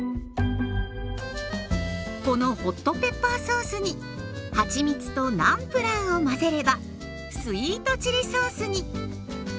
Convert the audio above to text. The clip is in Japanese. このホットペッパーソースにはちみつとナムプラーを混ぜればスイートチリソースに。